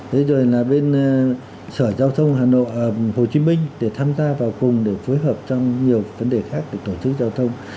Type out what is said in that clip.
đấy rồi là bên sở giao thông hồ chí minh để tham gia vào cùng để phối hợp trong nhiều vấn đề khác để tổ chức giao thông